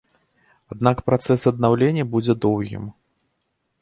Аднак працэс аднаўлення будзе доўгім.